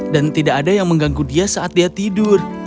dan tidak ada yang mengganggu dia saat dia tidur